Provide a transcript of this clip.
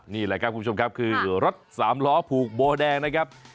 นี่แหละครับคุณผู้ชมครับคือรถสามล้อผูกโบแดงนะครับ